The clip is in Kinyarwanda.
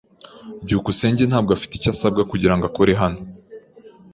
byukusenge ntabwo afite icyo asabwa kugirango akore hano.